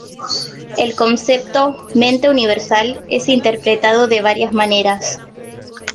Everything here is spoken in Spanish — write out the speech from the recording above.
El concepto "Mente universal" es interpretado de varias maneras.